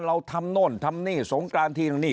เราทำโน่นทำนี่สงกรานที่นู่นนี่